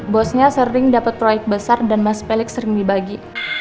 bosnya sering dapat proyek besar dan mas pelik sering dibagi